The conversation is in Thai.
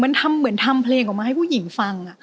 มันทำเหมือนทำเพลงออกมาให้ผู้หญิงฟัง